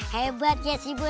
hebat ya si bos ya